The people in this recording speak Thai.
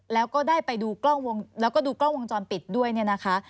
แล้วก็ได้ไปดูกล้องวงแล้วก็ดูกล้องวงจรปิดด้วยเนี่ยนะคะ